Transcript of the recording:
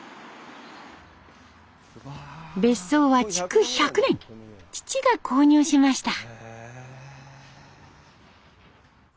別荘は築１００年父が購入しました。